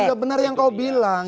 itu sudah benar yang kau bilang